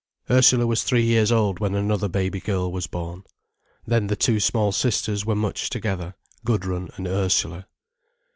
Ursula was three years old when another baby girl was born. Then the two small sisters were much together, Gudrun and Ursula.